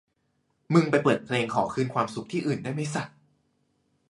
มึงไปเปิดเพลงขอคืนความสุขที่อื่นได้ไหมสัส